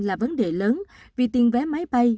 là vấn đề lớn vì tiền vé máy bay